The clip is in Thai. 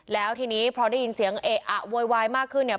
แล้วทีนี้พอได้ยินเสียงเอะอะโวยวายมากขึ้นเนี่ย